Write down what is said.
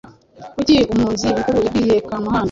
Kuki umwunzi mukuru yabwiye Kamuhanda